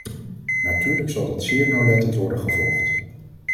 Natuurlijk zal dat zeer nauwlettend worden gevolgd.